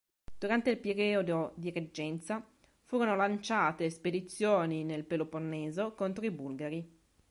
Durante il periodo di reggenza, furono lanciate spedizioni nel Peloponneso conto i Bulgari.